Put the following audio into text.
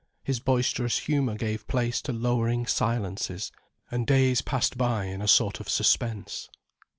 His boisterous humour gave place to lowering silences, and days passed by in a sort of suspense.